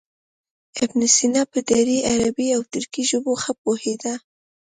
ابن سینا په دري، عربي او ترکي ژبو ښه پوهېده.